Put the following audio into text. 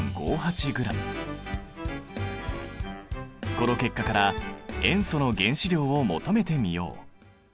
この結果から塩素の原子量を求めてみよう。